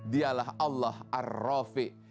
dialah allah al rafiq